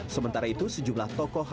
sementara itu sejumlah tokoh